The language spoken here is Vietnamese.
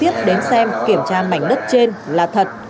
biết đến xem kiểm tra mảnh đất trên là thật